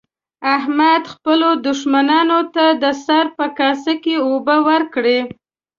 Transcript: احمد خپلو دوښمنانو ته د سره په کاسه کې اوبه ورکړې.